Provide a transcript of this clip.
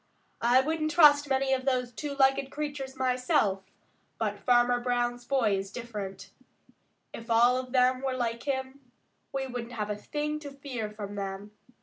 I wouldn't trust many of those two legged creatures myself, but Farmer Brown's boy is different. If all of them were like him, we wouldn't have a thing to fear from them.